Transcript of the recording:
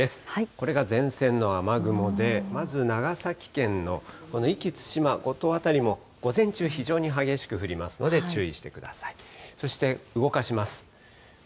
これが前線の雨雲で、まず、長崎県の、このいき、対馬、五島辺りも午前中、激しく降りますので注意してください。